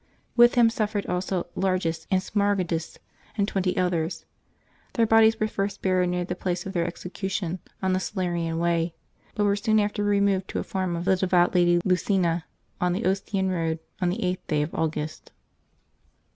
With him suffered also Largus and Smaragdus, and twenty others. Their bodies were first buried near the place of their execution, on the Sala rian Way, but were soon after removed to a farm of the devout Lady Lucina, on the Ostian Road, on the eighth day of August.